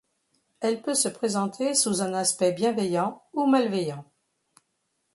Elle peut se présenter sous un aspect bienveillant ou malveillant.